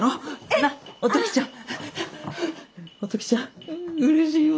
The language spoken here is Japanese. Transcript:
お時ちゃん。